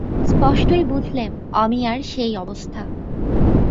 স্পষ্টই বুঝলেম, অমিয়ার সেই অবস্থা।